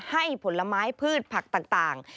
ผลไม้พืชผักต่าง